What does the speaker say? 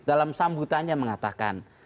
dalam sambutannya mengatakan